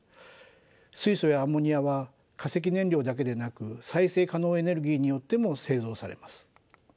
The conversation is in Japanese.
水素やアンモニアは化石燃料だけでなく再生可能エネルギーによっても製造されます。